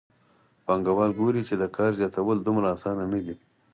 پانګوال ګوري چې د کار زیاتول دومره اسانه نه دي